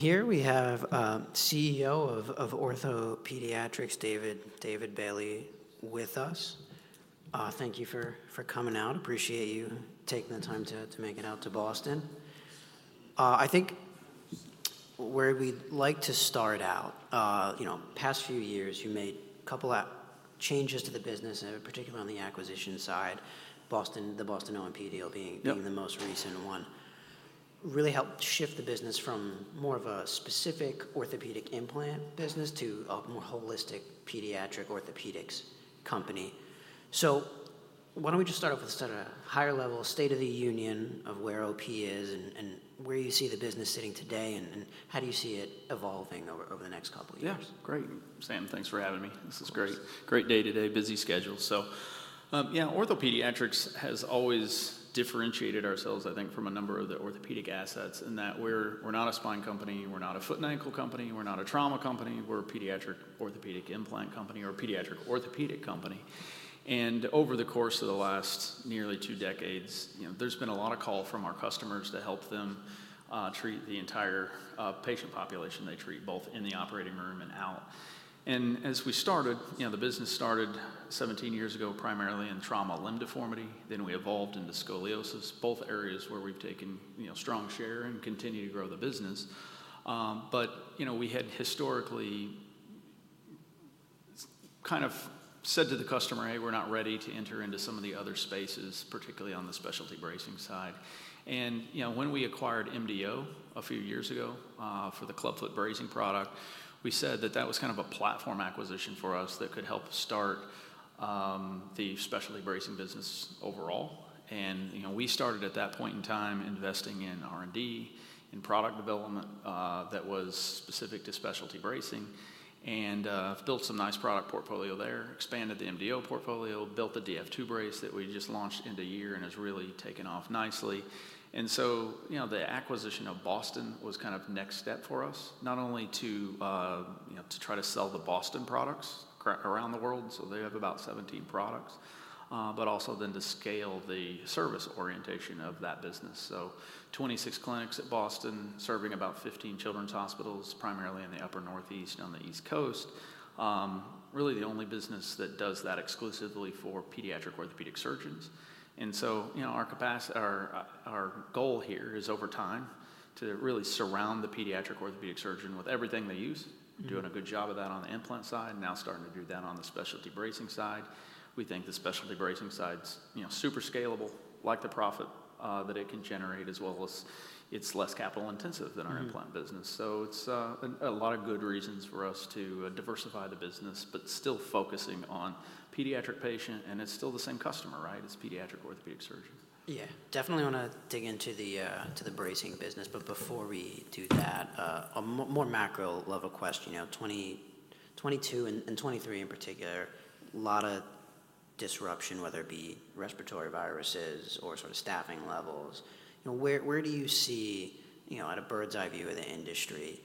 Here we have CEO of OrthoPediatrics, David Bailey, with us. Thank you for coming out. Appreciate you taking the time to make it out to Boston. I think where we'd like to start out, you know, past few years, you made a couple of changes to the business, particularly on the acquisition side. Boston, the Boston O&P deal being--being the most recent one. Really helped shift the business from more of a specific orthopedic implant business to a more holistic pediatric orthopedics company. So why don't we just start off with just at a higher level state of the union of where OP is, and, and where you see the business sitting today, and, and how do you see it evolving over, over the next couple of years? Yeah. Great, Sam, thanks for having me. This is great. Great day today, busy schedule. So, yeah, OrthoPediatrics has always differentiated ourselves, I think, from a number of the orthopedic assets in that we're, we're not a spine company, we're not a foot and ankle company, we're not a trauma company. We're a pediatric orthopedic implant company or a pediatric orthopedic company. And over the course of the last nearly two decades, you know, there's been a lot of call from our customers to help them treat the entire patient population they treat, both in the operating room and out. And as we started, you know, the business started 17 years ago, primarily in trauma limb deformity, then we evolved into scoliosis, both areas where we've taken, you know, strong share and continue to grow the business. But, you know, we had historically kind of said to the customer, "Hey, we're not ready to enter into some of the other spaces," particularly on the specialty bracing side. You know, when we acquired MDO a few years ago, for the clubfoot bracing product, we said that that was kind of a platform acquisition for us that could help start the specialty bracing business overall. You know, we started at that point in time investing in R&D, in product development, that was specific to specialty bracing, and built some nice product portfolio there, expanded the MDO portfolio, built the DF2 brace that we just launched end of year and has really taken off nicely. And so, you know, the acquisition of Boston was kind of next step for us, not only to, you know, to try to sell the Boston products around the world, so they have about 17 products, but also then to scale the service orientation of that business. So 26 clinics at Boston, serving about 15 children's hospitals, primarily in the upper northeast and on the East Coast. Really, the only business that does that exclusively for pediatric orthopedic surgeons. And so, you know, our goal here is, over time, to really surround the pediatric orthopedic surgeon with everything they use. Mm-hmm. Doing a good job of that on the implant side, now starting to do that on the specialty bracing side. We think the specialty bracing side's, you know, super scalable, like the profit, that it can generate, as well as it's less capital intensive than our- Mm-hmm... implant business. So it's a lot of good reasons for us to diversify the business, but still focusing on pediatric patient, and it's still the same customer, right? It's pediatric orthopedic surgeons. Yeah, definitely wanna dig into the bracing business, but before we do that, a more macro level question. You know, 2022 and 2023 in particular, a lot of disruption, whether it be respiratory viruses or sort of staffing levels. You know, where do you see, at a bird's-eye view of the industry,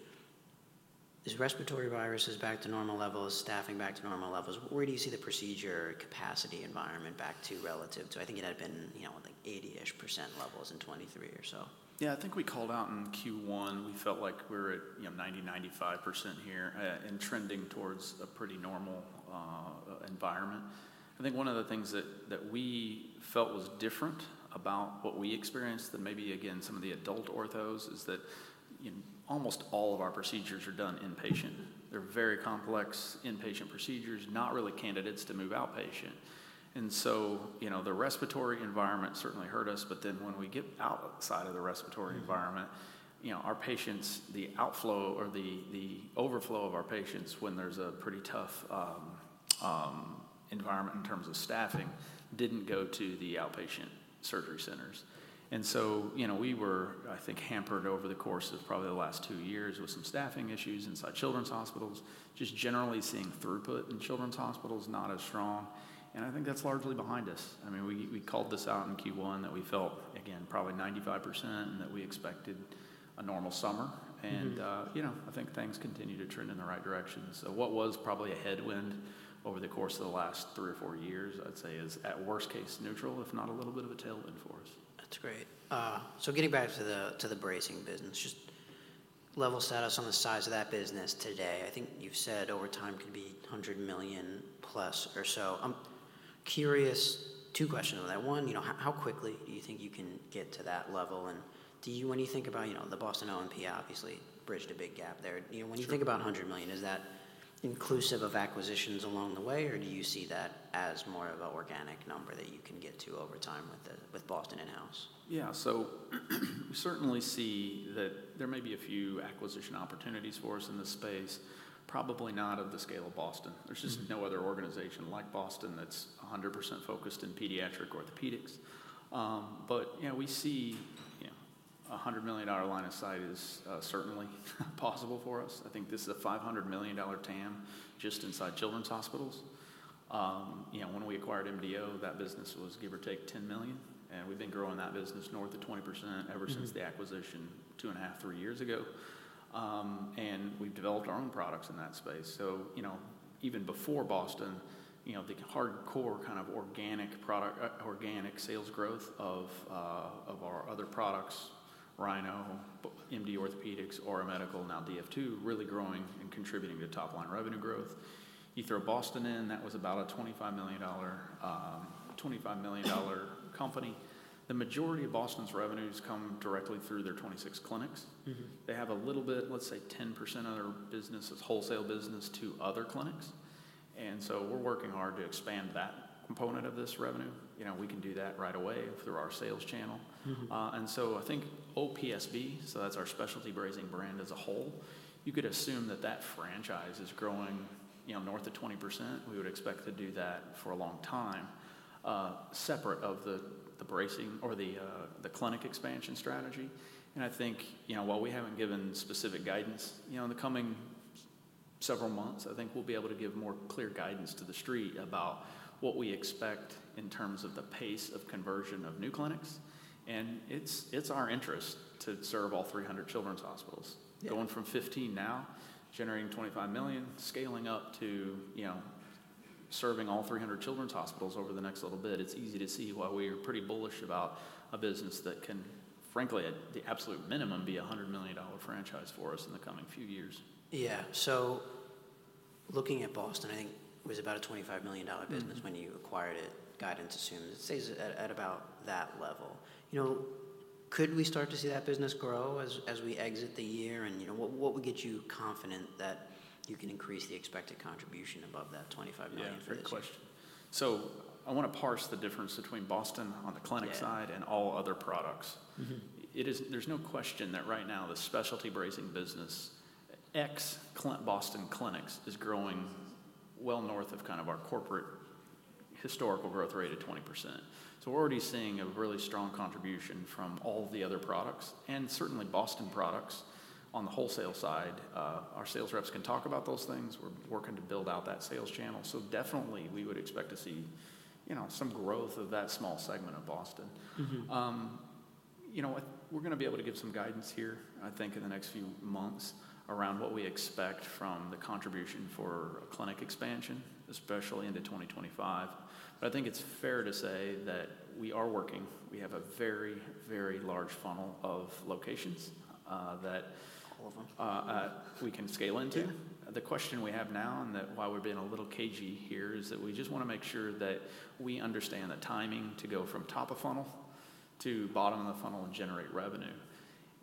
is respiratory viruses back to normal levels, staffing back to normal levels? Where do you see the procedure capacity environment back to relative to, I think it had been, you know, like 80-ish% levels in 2023 or so? Yeah, I think we called out in Q1, we felt like we were at, you know, 90%-95% here, and trending towards a pretty normal environment. I think one of the things that we felt was different about what we experienced than maybe, again, some of the adult orthos, is that, you know, almost all of our procedures are done inpatient. They're very complex inpatient procedures, not really candidates to move outpatient. So, you know, the respiratory environment certainly hurt us, but then when we get outside of the respiratory environment. You know, our patients, the outflow or the overflow of our patients when there's a pretty tough environment in terms of staffing, didn't go to the outpatient surgery centers. And so, you know, we were, I think, hampered over the course of probably the last two years with some staffing issues inside children's hospitals. Just generally seeing throughput in children's hospitals not as strong, and I think that's largely behind us. I mean, we called this out in Q1 that we felt, again, probably 95% and that we expected a normal summer. You know, I think things continue to trend in the right direction. What was probably a headwind over the course of the last three or four years, I'd say, is, at worst case, neutral, if not a little bit of a tailwind for us. That's great. So getting back to the bracing business, just level status on the size of that business today. I think you've said over time could be $100 million plus or so. I'm curious, two questions on that. One, you know, how quickly do you think you can get to that level? And do you—when you think about, you know, the Boston O&P obviously bridged a big gap there. You know, when you think about $100 million, is that inclusive of acquisitions along the way, or do you see that as more of an organic number that you can get to over time with the, with Boston in-house? Yeah, so we certainly see that there may be a few acquisition opportunities for us in this space. Probably not of the scale of Boston. There's just no other organization like Boston that's 100% focused in pediatric orthopedics. But, you know, we see, you know, a $100 million line of sight is certainly possible for us. I think this is a $500 million TAM just inside children's hospitals. You know, when we acquired MDO, that business was give or take $10 million, and we've been growing that business north of 20% ever since the acquisition 2.5-3 years ago. And we've developed our own products in that space. So, you know, even before Boston, you know, the hardcore kind of organic product, organic sales growth of our other products—Rhino, MD Orthopaedics, Ora Medical, now DF2—really growing and contributing to top-line revenue growth. You throw Boston in, that was about a $25 million, $25 million company. The majority of Boston's revenues come directly through their 26 clinics. They have a little bit, let's say 10% of their business is wholesale business to other clinics, and so we're working hard to expand that component of this revenue. You know, we can do that right away through our sales channel. And so I think OPSB, so that's our specialty bracing brand as a whole, you could assume that that franchise is growing, you know, north of 20%. We would expect to do that for a long time, separate of the bracing or the clinic expansion strategy. And I think, you know, while we haven't given specific guidance, you know, in the coming several months, I think we'll be able to give more clear guidance to the street about what we expect in terms of the pace of conversion of new clinics. And it's our interest to serve all 300 children's hospitals. Going from 15 now, generating $25 million, scaling up to, you know, serving all 300 children's hospitals over the next little bit, it's easy to see why we're pretty bullish about a business that can, frankly, at the absolute minimum, be a $100 million-dollar franchise for us in the coming few years. Yeah. So looking at Boston, I think it was about a $25 million business. when you acquired it. Guidance assumes it stays at about that level. You know, could we start to see that business grow as we exit the year? And, you know, what would get you confident that you can increase the expected contribution above that $25 million for this year? Yeah, great question. So I wanna parse the difference between Boston on the clinic side- Yeah... and all other products. There's no question that right now, the specialty bracing business, ex-Boston clinics, is growing well north of kind of our corporate historical growth rate of 20%. So we're already seeing a really strong contribution from all the other products, and certainly Boston products. On the wholesale side, our sales reps can talk about those things. We're working to build out that sales channel. So definitely we would expect to see, you know, some growth of that small segment of Boston. You know, we're gonna be able to give some guidance here, I think, in the next few months around what we expect from the contribution for clinic expansion, especially into 2025. But I think it's fair to say that we are working. We have a very, very large funnel of locations, that- All of them.... we can scale into. Yeah. The question we have now, and that's why we're being a little cagey here, is that we just wanna make sure that we understand the timing to go from top of funnel to bottom of the funnel and generate revenue.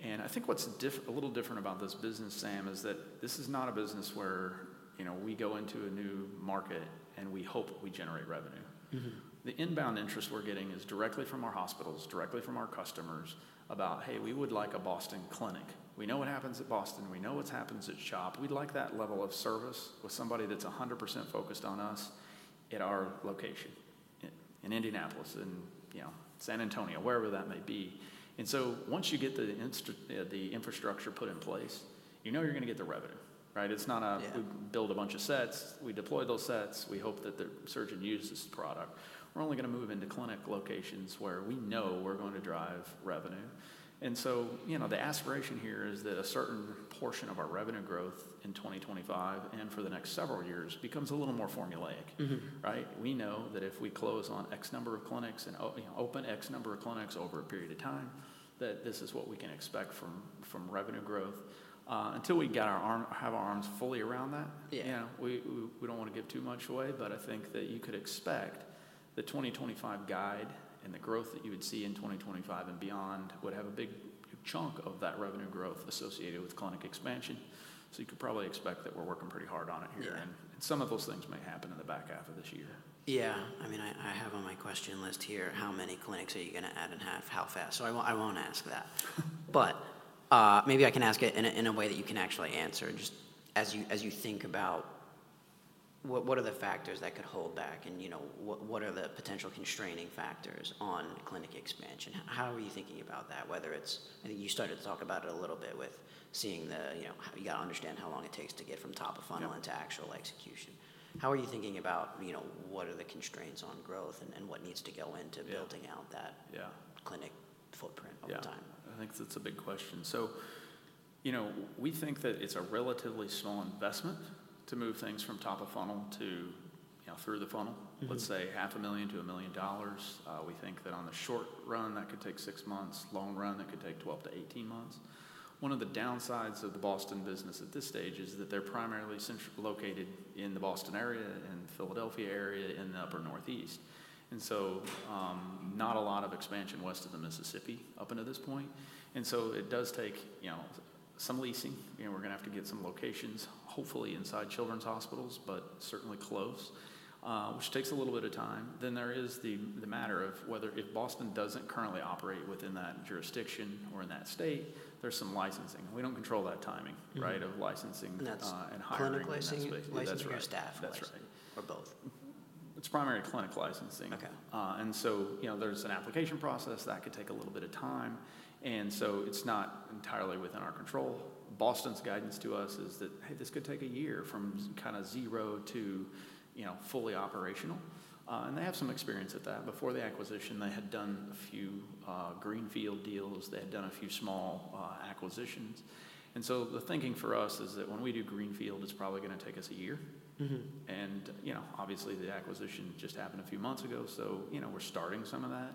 And I think what's a little different about this business, Sam, is that this is not a business where, you know, we go into a new market, and we hope we generate revenue The inbound interest we're getting is directly from our hospitals, directly from our customers, about, "Hey, we would like a Boston clinic. We know what happens at Boston. We know what happens at CHOP. We'd like that level of service with somebody that's 100% focused on us at our location," in Indianapolis, in, you know, San Antonio, wherever that may be. And so once you get the infrastructure put in place, you know you're gonna get the revenue, right? It's not a- Yeah... we build a bunch of sets, we deploy those sets, we hope that the surgeon uses the product. We're only gonna move into clinic locations where we know we're going to drive revenue. And so, you know, the aspiration here is that a certain portion of our revenue growth in 2025, and for the next several years, becomes a little more formulaic. Right? We know that if we close on X number of clinics and you know, open X number of clinics over a period of time, that this is what we can expect from, from revenue growth. Until we have our arms fully around that- Yeah... you know, we don't wanna give too much away, but I think that you could expect the 2025 guide and the growth that you would see in 2025 and beyond would have a big chunk of that revenue growth associated with clinic expansion. So you could probably expect that we're working pretty hard on it here. Yeah. Some of those things may happen in the back half of this year. Yeah. I mean, I have on my question list here: How many clinics are you gonna add and how fast? So I won't ask that. But maybe I can ask it in a way that you can actually answer. Just as you think about what are the factors that could hold back and, you know, what are the potential constraining factors on clinic expansion? How are you thinking about that, whether it's... I think you started to talk about it a little bit with seeing the, you know, you gotta understand how long it takes to get from top of funnel-. into actual execution. How are you thinking about, you know, what are the constraints on growth and, and what needs to go into- Yeah... building out that- Yeah... clinic footprint over time? Yeah. I think that's a big question. So, you know, we think that it's a relatively small investment to move things from top of funnel to, you know, through the funnel. Let's say $500,000-$1 million. We think that on the short run, that could take six months. Long run, that could take 12-18 months. One of the downsides of the Boston business at this stage is that they're primarily centrally located in the Boston area and Philadelphia area, in the upper northeast. And so, not a lot of expansion west of the Mississippi up until this point. And so it does take, you know, some leasing, and we're gonna have to get some locations, hopefully inside children's hospitals, but certainly close, which takes a little bit of time. Then there is the, the matter of whether if Boston doesn't currently operate within that jurisdiction or in that state, there's some licensing. We don't control that right, of licensing- That's-... and hiring... clinic licensing? That's right. Licensing your staff. That's right. Or both? It's primarily clinic licensing. Okay. And so, you know, there's an application process. That could take a little bit of time, and so it's not entirely within our control. Boston's guidance to us is that, hey, this could take a year from kinda zero to, you know, fully operational, and they have some experience with that. Before the acquisition, they had done a few greenfield deals. They had done a few small acquisitions. And so the thinking for us is that when we do greenfield, it's probably gonna take us a year. You know, obviously, the acquisition just happened a few months ago, so, you know, we're starting some of that....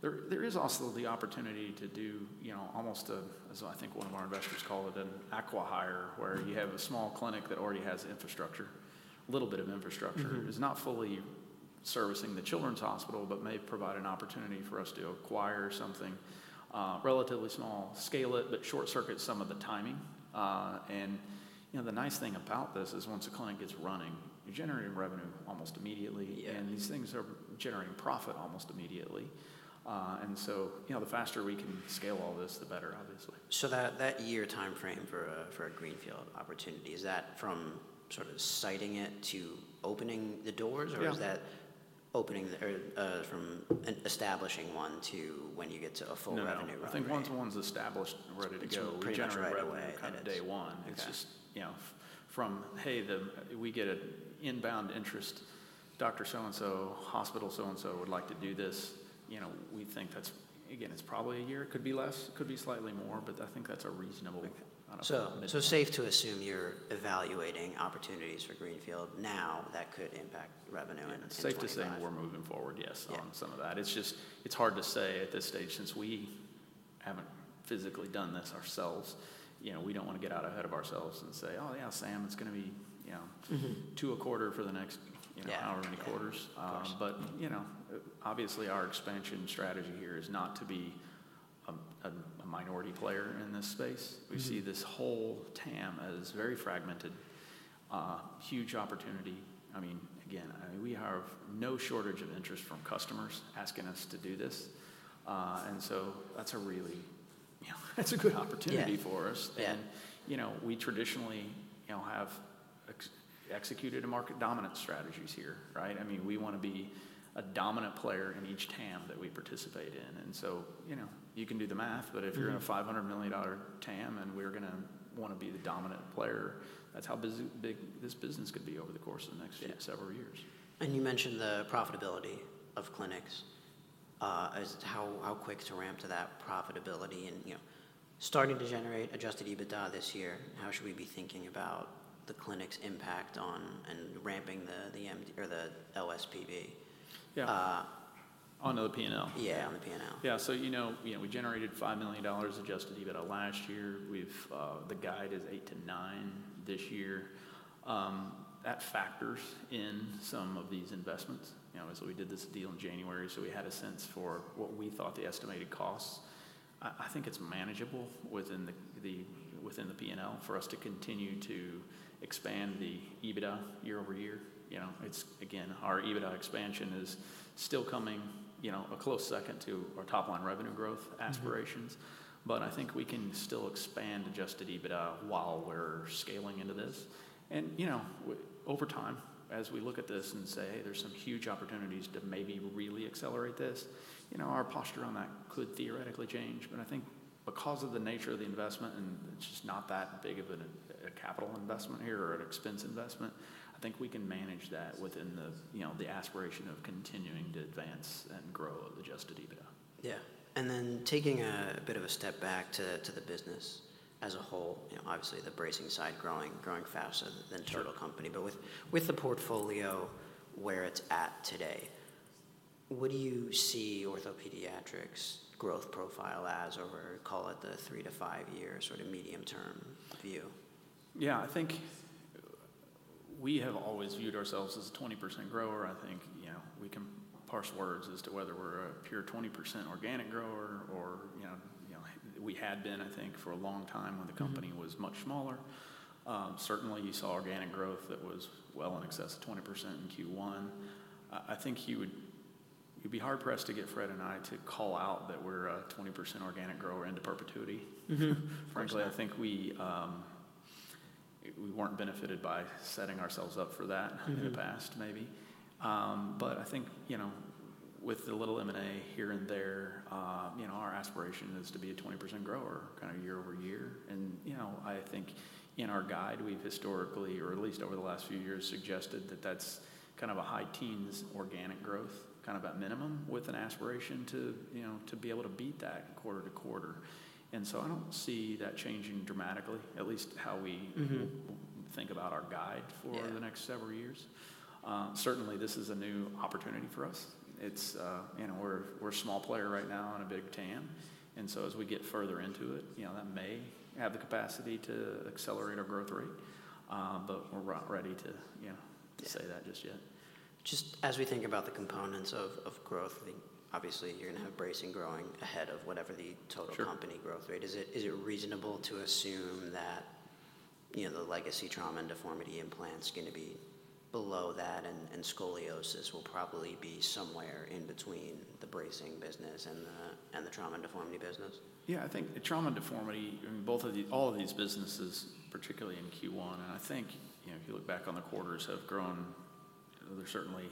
There is also the opportunity to do, you know, almost a, as I think one of our investors call it, an acqui-hire, where you have a small clinic that already has infrastructure, a little bit of infrastructure- is not fully servicing the children's hospital, but may provide an opportunity for us to acquire something, relatively small, scale it, but short-circuit some of the timing. And, you know, the nice thing about this is once a clinic gets running, you're generating revenue almost immediately- Yeah. and these things are generating profit almost immediately. And so, you know, the faster we can scale all this, the better, obviously. So that year timeframe for a greenfield opportunity, is that from sort of siting it to opening the doors? Yeah. Or is that opening from an establishing one to when you get to a full revenue run rate? No, I think once one's established and ready to go- It's generating revenue. kind of day one. Okay. It's just, you know, from, hey, the—we get an inbound interest, Doctor So-and-So, Hospital So-and-So would like to do this. You know, we think that's, again, it's probably a year. Could be less, could be slightly more, but I think that's a reasonable kind of midpoint. So, so safe to assume you're evaluating opportunities for greenfield now that could impact revenue in 2025? Safe to say we're moving forward, yes- Yeah... on some of that. It's just, it's hard to say at this stage, since we haven't physically done this ourselves. You know, we don't wanna get out ahead of ourselves and say, "Oh, yeah, Sam, it's gonna be, you know. Two a quarter for the next, you know- Yeah... however many quarters. Of course. But, you know, obviously our expansion strategy here is not to be a minority player in this space. We see this whole TAM as very fragmented, huge opportunity. I mean, again, I mean, we have no shortage of interest from customers-asking us to do this. And so, you know, that's a good opportunity for us. Yeah. Yeah. You know, we traditionally, you know, have executed market dominance strategies here, right? I mean, we wanna be a dominant player in each TAM that we participate in. So, you know, you can do the math, but if you're in a $500 million TAM, and we're gonna wanna be the dominant player, that's how big this business could be over the course of the next- Yeah... several years. You mentioned the profitability of clinics. How quick to ramp to that profitability and, you know, starting to generate adjusted EBITDA this year, how should we be thinking about the clinic's impact on and ramping the MD or the LSPV? Yeah. Uh- Onto the P&L? Yeah, on the P&L. Yeah. So, you know, you know, we generated $5 million adjusted EBITDA last year. We've the guide is $8 million-$9 million this year. That factors in some of these investments. You know, so we did this deal in January, so we had a sense for what we thought the estimated costs. I think it's manageable within the P&L for us to continue to expand the EBITDA year-over-year. You know, it's, again, our EBITDA expansion is still coming, you know, a close second to our top line revenue growth aspirations. But I think we can still expand adjusted EBITDA while we're scaling into this. And, you know, over time, as we look at this and say there's some huge opportunities to maybe really accelerate this, you know, our posture on that could theoretically change. But I think because of the nature of the investment and it's just not that big of a capital investment here or an expense investment, I think we can manage that within the, you know, the aspiration of continuing to advance and grow the adjusted EBITDA. Yeah. And then taking a bit of a step back to the business as a whole, you know, obviously, the bracing side growing, growing faster than- Sure... the total company. But with, with the portfolio where it's at today, what do you see OrthoPediatrics' growth profile as over, call it, the 3- to 5-year, sort of medium-term view Yeah, I think we have always viewed ourselves as a 20% grower. I think, you know, we can parse words as to whether we're a pure 20% organic grower or, you know, you know, we had been, I think, for a long time when the company was much smaller. Certainly, you saw organic growth that was well in excess of 20% in Q1. I think you'd be hard-pressed to get Fred and I to call out that we're a 20% organic grower into perpetuity. Frankly, I think we, we weren't benefited by setting ourselves up for that in the past, maybe. But I think, you know, with a little M&A here and there, you know, our aspiration is to be a 20% grower, kind of year-over-year. You know, I think in our guide, we've historically, or at least over the last few years, suggested that that's kind of a high teens organic growth, kind of a minimum, with an aspiration to, you know, to be able to beat that quarter-to-quarter. So I don't see that changing dramatically, at least how w think about our guide for- Yeah... the next several years. Certainly, this is a new opportunity for us. It's... You know, we're a small player right now in a big TAM, and so as we get further into it, you know, that may have the capacity to accelerate our growth rate. But we're not ready to, you know- Yeah... say that just yet. Just as we think about the components of growth, I think obviously you're gonna have bracing growing ahead of whatever the total- Sure... company growth rate. Is it, is it reasonable to assume that, you know, the legacy Trauma and Deformity implants are gonna be below that, and, and Scoliosis will probably be somewhere in between the bracing business and the, and the Trauma and Deformity business? Yeah, I think the Trauma and Deformity, I mean, all of these businesses, particularly in Q1, and I think, you know, if you look back on the quarters, have grown. They're certainly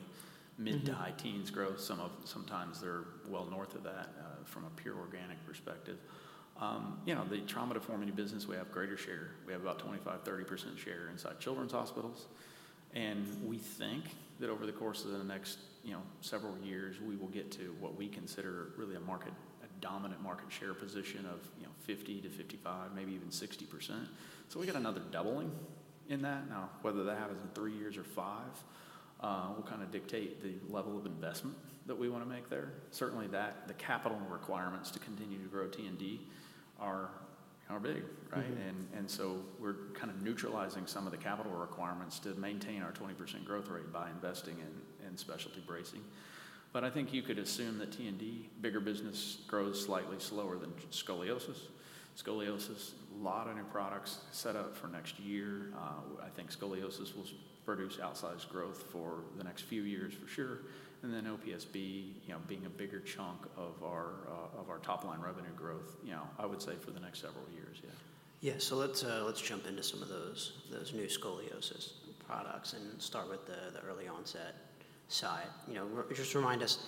mid- to high-teens growth. Sometimes they're well north of that from a pure organic perspective. You know, the Trauma and Deformity business, we have greater share. We have about 25-30% share inside children's hospitals, and we think that over the course of the next, you know, several years, we will get to what we consider really a market share position of, you know, 50%-55%, maybe even 60%. So we get another doubling in that. Now, whether that happens in three years or five will kind of dictate the level of investment that we wanna make there. Certainly, the capital requirements to continue to grow T&D are big, right? So we're kind of neutralizing some of the capital requirements to maintain our 20% growth rate by investing in specialty bracing. But I think you could assume that T&D, bigger business, grows slightly slower than scoliosis. Scoliosis, a lot of new products set up for next year. I think Scoliosis will produce outsized growth for the next few years for sure, and then OPSB, you know, being a bigger chunk of our, of our top line revenue growth, you know, I would say for the next several years. Yeah. Yeah. So let's jump into some of those new Scoliosis products, and start with the early onset side. You know, just remind us,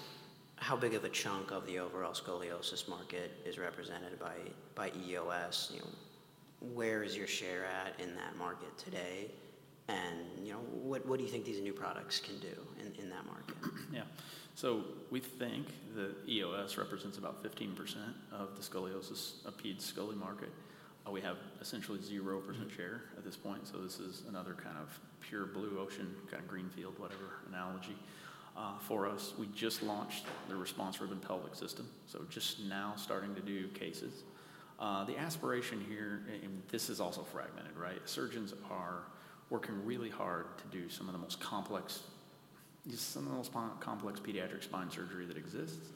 how big of a chunk of the overall Scoliosis market is represented by EOS? You know, where is your share at in that market today, and you know, what do you think these new products can do in that market? Yeah. So we think that EOS represents about 15% of the Scoliosis, peds scoli market. We have essentially 0%-share at this point, so this is another kind of pure blue ocean, kind of greenfield, whatever analogy, for us. We just launched the RESPONSE Rib and Pelvic System, so just now starting to do cases. The aspiration here, and this is also fragmented, right? Surgeons are working really hard to do some of the most complex, just some of the most complex pediatric spine surgery that exists.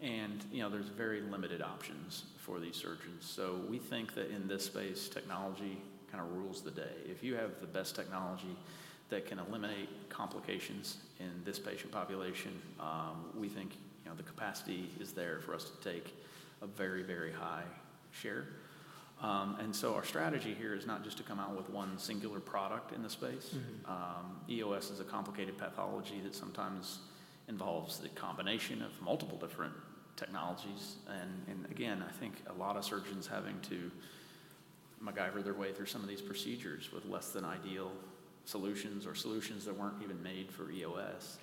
And, you know, there's very limited options for these surgeons. So we think that in this space, technology kind of rules the day. If you have the best technology that can eliminate complications in this patient population, we think, you know, the capacity is there for us to take a very, very high share. And so our strategy here is not just to come out with one singular product in the space. EOS is a complicated pathology that sometimes involves the combination of multiple different technologies and, and again, I think a lot of surgeons having to MacGyver their way through some of these procedures with less than ideal solutions or solutions that weren't even made for EOS.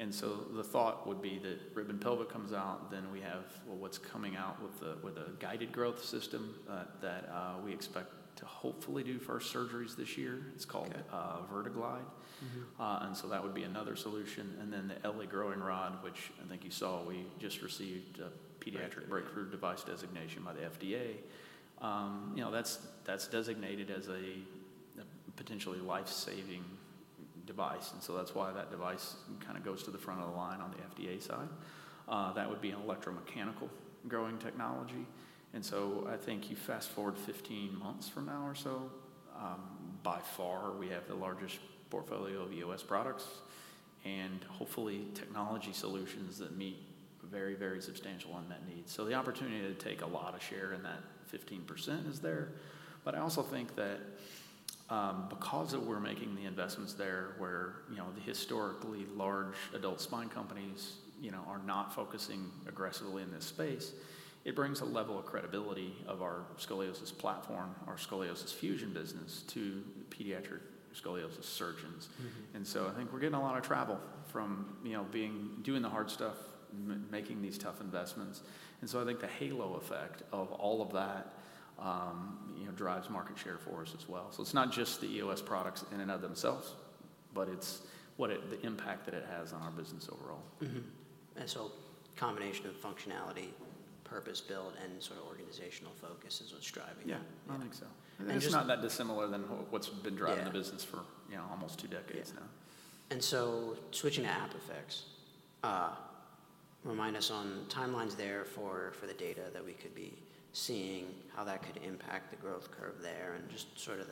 And so the thought would be that rib and pelvic comes out, then we have well, what's coming out with a guided growth system that we expect to hopefully do first surgeries this year. Okay. It's called VerteGlide. and so that would be another solution, and then the eLLi Growing Rod, which I think you saw, we just received a pediatric breakthrough device designation by the FDA. You know, that's, that's designated as a, a potentially life-saving device, and so that's why that device kind of goes to the front of the line on the FDA side. That would be an electromechanical growing technology, and so I think you fast-forward 15 months from now or so, by far, we have the largest portfolio of EOS products and hopefully technology solutions that meet very, very substantial unmet needs. So the opportunity to take a lot of share in that 15% is there. But I also think that, because of we're making the investments there, where, you know, the historically large adult spine companies, you know, are not focusing aggressively in this space, it brings a level of credibility of our scoliosis platform, our scoliosis fusion business, to pediatric scoliosis surgeons. I think we're getting a lot of traction from, you know, doing the hard stuff, making these tough investments. So I think the halo effect of all of that, you know, drives market share for us as well. So it's not just the EOS products in and of themselves, but it's the impact that it has on our business overall.. And so combination of functionality, purpose built, and sort of organizational focus is what's driving it? Yeah, I think so. And just- It's not that dissimilar than what's been driving- Yeah... the business for, you know, almost two decades now. Yeah. And so switching to ApiFix, remind us on timelines there for the data that we could be seeing, how that could impact the growth curve there, and just sort of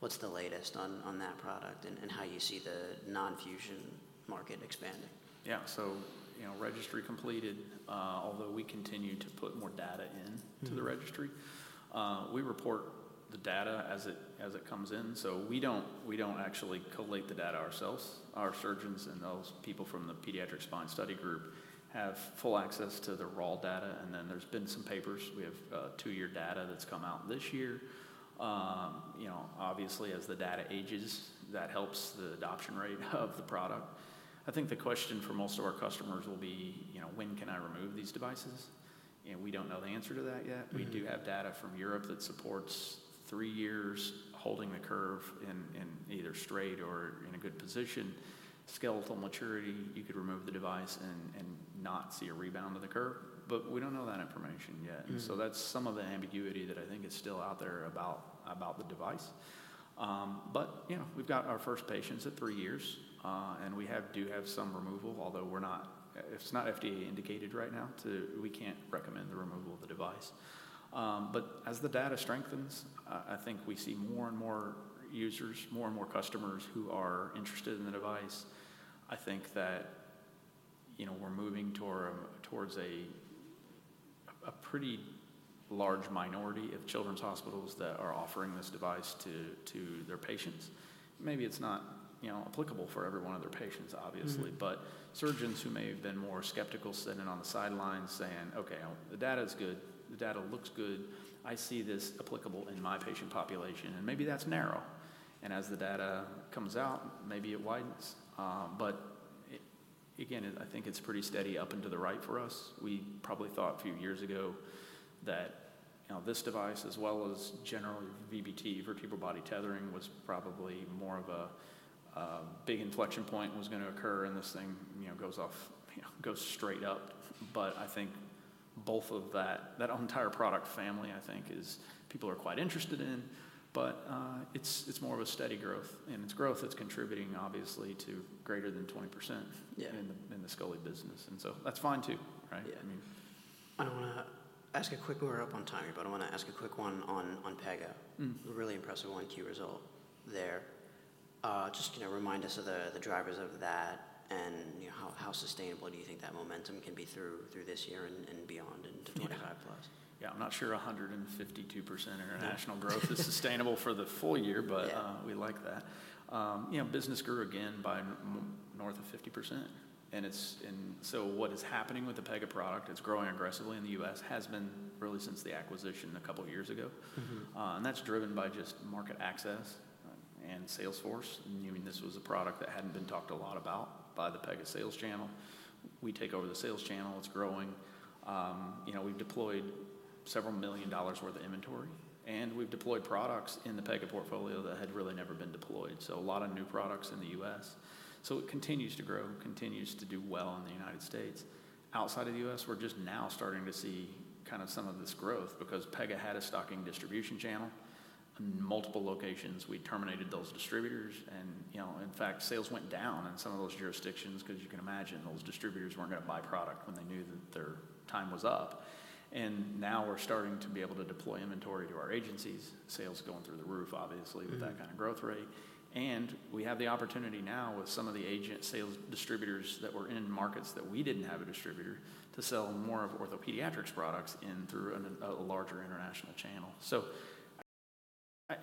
what's the latest on that product and how you see the non-fusion market expanding. Yeah. So, you know, registry completed, although we continue to put more data in-to the registry, we report the data as it, as it comes in. So we don't, we don't actually collate the data ourselves. Our surgeons and those people from the Pediatric Spine Study Group have full access to the raw data, and then there's been some papers. We have two-year data that's come out this year. You know, obviously, as the data ages, that helps the adoption rate of the product. I think the question for most of our customers will be, you know, "When can I remove these devices?" And we don't know the answer to that yet. We do have data from Europe that supports three years holding the curve in either straight or in a good position. Skeletal maturity, you could remove the device and not see a rebound of the curve, but we don't know that information yet. So that's some of the ambiguity that I think is still out there about the device. But you know, we've got our first patients at three years, and we do have some removal, although we're not... It's not FDA indicated right now to—we can't recommend the removal of the device. But as the data strengthens, I think we see more and more users, more and more customers who are interested in the device. I think that, you know, we're moving toward a pretty large minority of children's hospitals that are offering this device to their patients. Maybe it's not, you know, applicable for every one of their patients, obviously. But surgeons who may have been more skeptical, standing on the sidelines saying, "Okay, the data is good. The data looks good. I see this applicable in my patient population," and maybe that's narrow, and as the data comes out, maybe it widens. Again, I think it's pretty steady up and to the right for us. We probably thought a few years ago that, you know, this device, as well as generally VBT, vertebral body tethering, was probably more of a, a big inflection point was gonna occur, and this thing, you know, goes off, you know, goes straight up. But I think both of that. That entire product family, I think, is people are quite interested in, but, it's, it's more of a steady growth, and it's growth that's contributing obviously to greater than 20%- Yeah. In the scoliosis business, and so that's fine, too, right? Yeah. I mean- I don't wanna ask a quick-- we're up on time here, but I wanna ask a quick one on, on Pega. Really impressive Q1 result there. Just, you know, remind us of the drivers of that, and, you know, how sustainable do you think that momentum can be through this year and beyond into 2025 plus? Yeah, I'm not sure 152% international growth is sustainable for the full year. Yeah. But we like that. You know, business grew again by north of 50%, and so what is happening with the Pega product, it's growing aggressively in the U.S., has been really since the acquisition a couple years ago. And that's driven by just market access and sales force. I mean, this was a product that hadn't been talked a lot about by the Pega sales channel. We take over the sales channel, it's growing. You know, we've deployed $several million worth of inventory, and we've deployed products in the Pega portfolio that had really never been deployed, so a lot of new products in the U.S. So it continues to grow, continues to do well in the United States. Outside of the U.S., we're just now starting to see kind of some of this growth because Pega had a stocking distribution channel, multiple locations. We terminated those distributors and, you know, in fact, sales went down in some of those jurisdictions because you can imagine, those distributors weren't gonna buy product when they knew that their time was up. Now we're starting to be able to deploy inventory to our agencies. Sales going through the roof, obviously-with that kind of growth rate. We have the opportunity now with some of the agent sales distributors that were in markets that we didn't have a distributor, to sell more of OrthoPediatrics products in through a larger international channel. So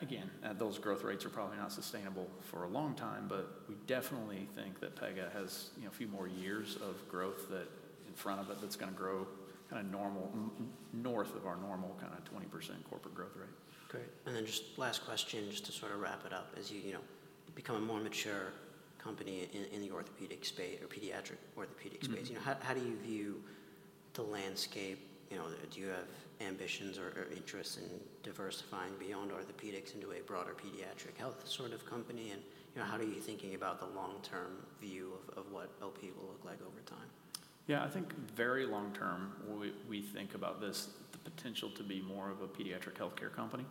again, those growth rates are probably not sustainable for a long time, but we definitely think that Pega has, you know, a few more years of growth that in front of it, that's gonna grow kinda normal north of our normal kind of 20% corporate growth rate. Great. And then just last question, just to sort of wrap it up. As you, you know, become a more mature company in the orthopedic space or pediatric orthopedic space-You know, how do you view the landscape? You know, do you have ambitions or interests in diversifying beyond orthopedics into a broader pediatric health sort of company? And, you know, how are you thinking about the long-term view of what OP will look like over time? Yeah, I think very long term, we, we think about this, the potential to be more of a pediatric healthcare company.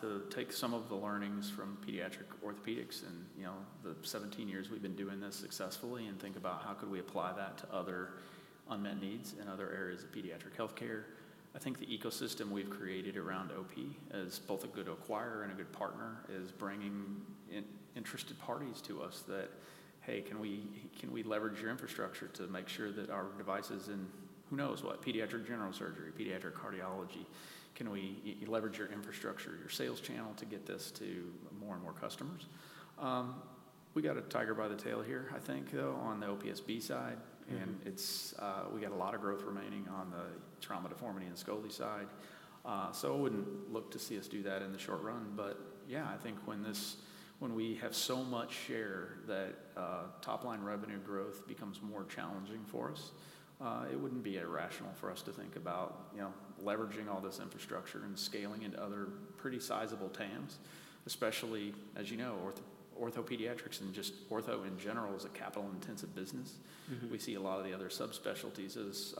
To take some of the learnings from pediatric orthopedics and, you know, the 17 years we've been doing this successfully and think about how could we apply that to other unmet needs in other areas of pediatric healthcare. I think the ecosystem we've created around OP as both a good acquirer and a good partner, is bringing in interested parties to us that, "Hey, can we, can we leverage your infrastructure to make sure that our device is in..." Who knows what? Pediatric general surgery, pediatric cardiology. "Can we leverage your infrastructure, your sales channel, to get this to more and more customers?" We got a tiger by the tail here, I think, though, on the OPSB side. And it's, we got a lot of growth remaining on the trauma, deformity and scoliosis side. So I wouldn't look to see us do that in the short run. But yeah, I think when this, when we have so much share that, top-line revenue growth becomes more challenging for us, it wouldn't be irrational for us to think about, you know, leveraging all this infrastructure and scaling into other pretty sizable TAMs, especially, as you know, orthopediatrics and just ortho in general, is a capital-intensive business. We see a lot of the other subspecialties as,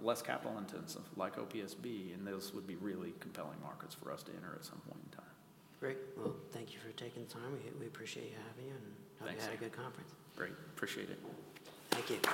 less capital intensive, like OPSB, and those would be really compelling markets for us to enter at some point in time. Great. Well, thank you for taking the time. We, we appreciate having you, and- Thanks. Hope you had a good conference. Great. Appreciate it. Thank you.